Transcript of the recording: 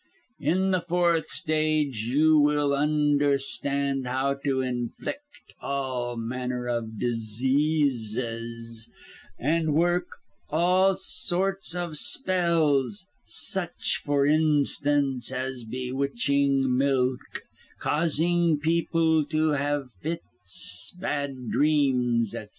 "In the fourth stage you will understand how to inflict all manner of diseases, and work all sorts of spells; such, for instance, as bewitching milk, causing people to have fits, bad dreams, etc.